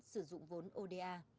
sử dụng vốn oda